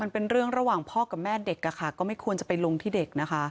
มันเป็นเรื่องระหว่างพ่อกับแม่เด็กก็ไม่ควรจะไปลงที่เด็กนะคะ